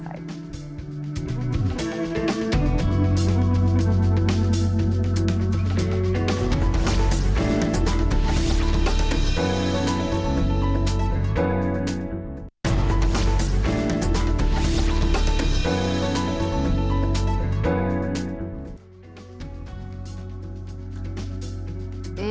kembali dalam insight